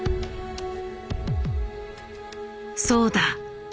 そうだ。